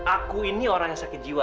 aku ini orang yang sakit jiwa